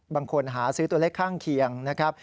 บางคนหาซื้อตัวเลขข้างเคียงนะครับ